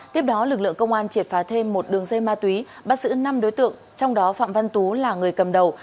tiếp đó lực lượng công an triệt phá thêm một đường dây ma túy bắt giữ năm đối tượng trong đó phạm văn tú là người cầm đầu